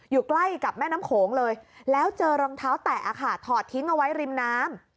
อยู่ใกล้กับแม่น้ำโขงเลยแล้วเจอรองเท้าแตะค่ะถอดทิ้งเอาไว้ริมน้ำ